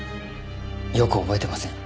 よく覚えてません。